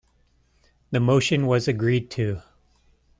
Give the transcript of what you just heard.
The motion was agreed to.